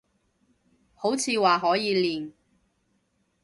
好似話可以練